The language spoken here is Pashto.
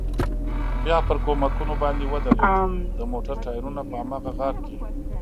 بیا پر کومکونو باندې ودرېد، د موټر ټایرونه په هماغه غار کې.